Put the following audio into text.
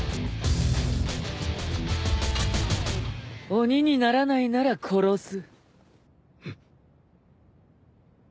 鬼にならないなら殺す。